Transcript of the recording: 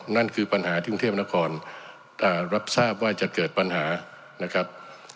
นั่นคือปัญหาที่กรุงเทพนครรับทราบว่าจะเกิดปัญหานะครับ